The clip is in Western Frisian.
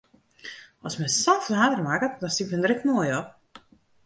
As men sa'n flater makket, dan stiet men der ek moai op!